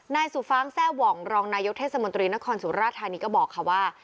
นายสุฟางแซ่หว่องรองนายกเทศมนตรีนครสุราธานีก็บอกค่ะว่า